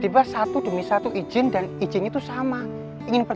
pasti dia digits daftar akan lantai